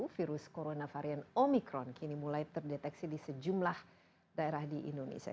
virus corona varian omikron kini mulai terdeteksi di sejumlah daerah di indonesia